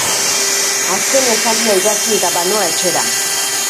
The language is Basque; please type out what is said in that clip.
Azken esaldia idatzi eta banoa etxera.